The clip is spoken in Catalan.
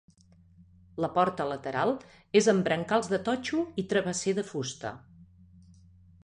La porta lateral és amb brancals de totxo i travesser de fusta.